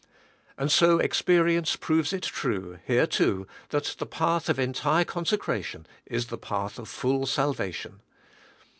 And so experience proves it true here too that the path of entire consecration is the path of full salvation.